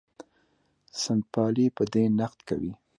سنت پالي په دې نقد کوي.